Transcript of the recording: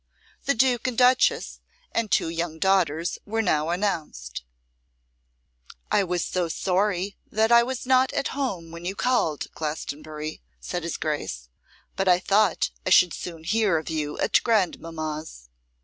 The duke and duchess, and two young daughters, were now announced. 'I was so sorry that I was not at home when you called, Glastonbury,' said his Grace; 'but I thought I should soon hear of you at grandmamma's.